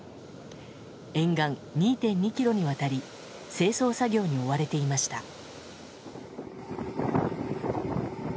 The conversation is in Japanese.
沿岸２．２ｋｍにわたり清掃作業に追われていました。